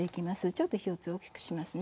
ちょっと火を強く大きくしますね。